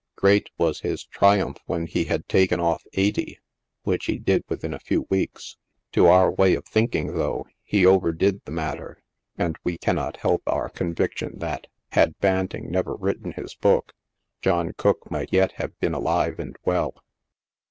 Great was his triumph when he had taken off eighty, which he did within a few weeks. To our way of thinking, though, he overdid the matter ; and we cannot help our conviction that, had Banting never written his book, John Cooke might yet have been alive and well.